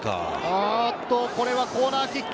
あぁっと、これはコーナーキック。